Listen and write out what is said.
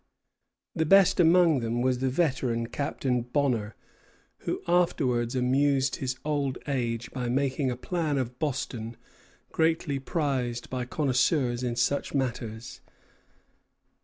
The best among them was the veteran Captain Bonner, who afterwards amused his old age by making a plan of Boston, greatly prized by connoisseurs in such matters.